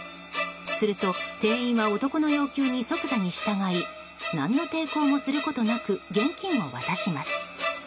すると、店員は男の要求に即座に従い何の抵抗もすることなく現金を渡します。